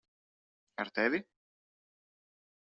Ar tevi?